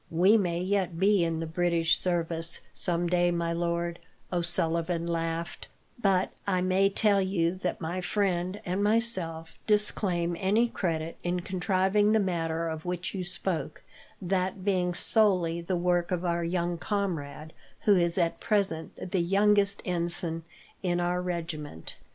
"We may yet be in the British service some day, my lord," O'Sullivan laughed; "but I may tell you that my friend, and myself, disclaim any credit in contriving the matter of which you spoke, that being solely the work of our young comrade, who is at present the youngest ensign in our regiment."